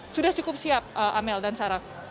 sudah cukup siap amel dan sarah